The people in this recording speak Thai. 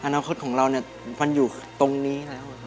อนาคตของเราเนี่ยมันอยู่ตรงนี้แล้ว